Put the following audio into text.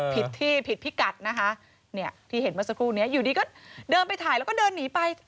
ผิดที่ผิดพิกัดนะคะเนี่ยที่เห็นเมื่อสักครู่นี้อยู่ดีก็เดินไปถ่ายแล้วก็เดินหนีไป